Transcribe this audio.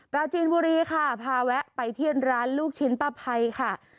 ปราจีนบุรีค่ะพาแวะไปที่ร้านลูกชิ้นป้าไพรค่ะ